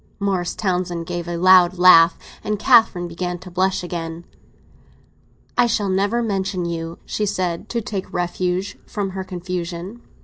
Morris Townsend gave a loud laugh, and Catherine began to blush again. "I shall never mention you," she said, to take refuge from her confusion.